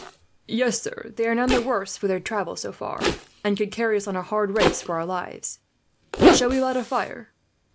"Yes, sir, they are none the worse for their travel so far, and could carry us on a hard race for our lives. Shall we light a fire?"